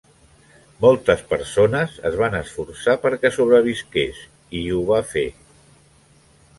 Moltes persones es van esforçar perquè sobrevisqués i ho va fer.